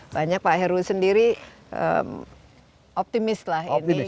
banyak pak heru sendiri optimis lah ini